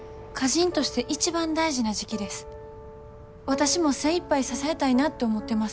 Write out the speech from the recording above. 私も精いっぱい支えたいなって思ってます。